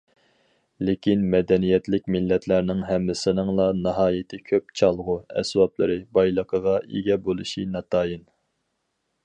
لېكىن مەدەنىيەتلىك مىللەتلەرنىڭ ھەممىسىنىڭلا ناھايىتى كۆپ چالغۇ ئەسۋابلىرى بايلىقىغا ئىگە بولۇشى ناتايىن.